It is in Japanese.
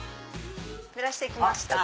濡らして来ました。